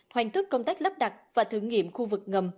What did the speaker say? hoàn tất công tác lắp đặt và thử nghiệm khu vực ngầm